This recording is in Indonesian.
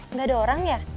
nggak ada orang ya